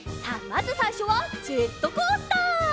まずさいしょはジェットコースター。